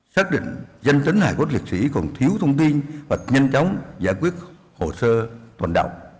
xác định danh tính hải quốc liệt sĩ còn thiếu thông tin và nhanh chóng giải quyết hồ sơ toàn động